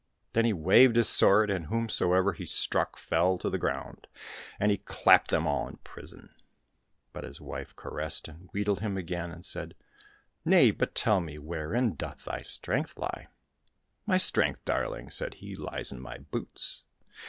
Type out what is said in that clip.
Then he waved his sword, and whomsoever he struck fell to the ground, and he clapped them all in prison. But his wife caressed and wheedled him again, and said, " Nay, but tell me, wherein doth thy strength lie ?"—" My strength, darling," said he, '* lies in my boots."